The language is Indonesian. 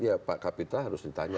ya pak kapitra harus ditanya